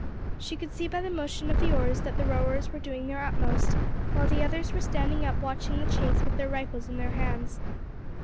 She could see by the motion of the oars that the rowers were doing their utmost, while the others were standing up watching the chase with their rifles in their hands.